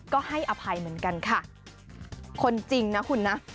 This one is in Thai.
ก็ให้อภัยเหมือนกันค่ะคนจริงนะคุณนะ